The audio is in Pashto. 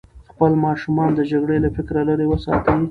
خپل ماشومان د جګړې له فکره لرې وساتئ.